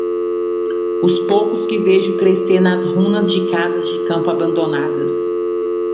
Os poucos que vejo crescer nas runas de casas de campo abandonadas.